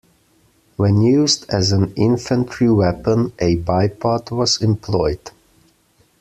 When used as an infantry weapon, a bipod was employed.